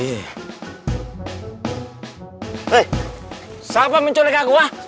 eh siapa menculik aku ah